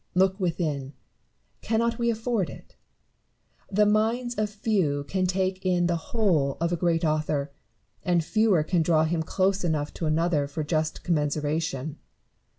Look within: cannot we afford it 1 The minds of few can take in the whole of a great author, and fewer can draw him close enough to another for just commensuration.